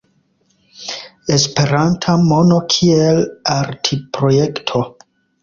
Esperanta mono kiel artprojekto.